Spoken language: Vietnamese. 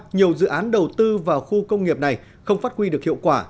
nhiều dự án đầu tư vào khu công nghiệp này không phát huy được hiệu quả